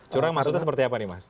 curang maksudnya seperti apa nih mas